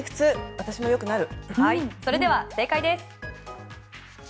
私もよくなる。